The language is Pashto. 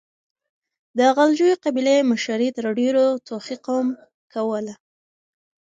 د غلجيو قبيلې مشري تر ډيرو توخي قوم کوله.